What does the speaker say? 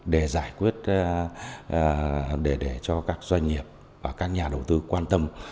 để giải quyết để cho các doanh nghiệp và các nhà đầu tư quan tâm